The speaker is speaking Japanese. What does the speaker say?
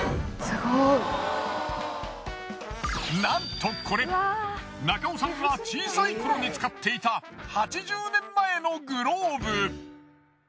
なんとこれ中尾さんが小さい頃に使っていた８０年前のグローブ。